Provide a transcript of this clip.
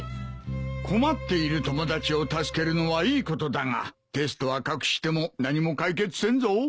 困っている友達を助けるのはいいことだがテストは隠しても何も解決せんぞ。